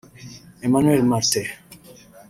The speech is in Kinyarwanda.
Emmanuel Martin